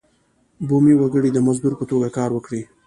بومي وګړي د مزدور په توګه کار وکړي.